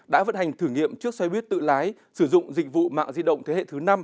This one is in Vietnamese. đã vận hành thử nghiệm trước xe buýt tự lái sử dụng dịch vụ mạng di động thế hệ thứ năm